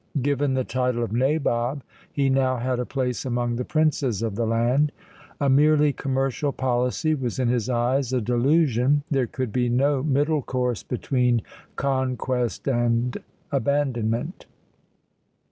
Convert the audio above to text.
Given the title of Nabob, he now had a place among the princes of the land. "A merely commercial policy was in his eyes a delusion; there could be no middle course between conquest and abandonment."